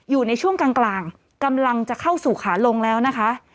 อยู่ในช่วงกลางกำลังจะเข้าสู่ขาลงแล้วนะคะ